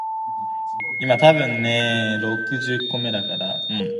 It is wordless, using sped-up music during the return trips to normal size.